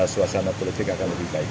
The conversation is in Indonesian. suasana politik akan lebih baik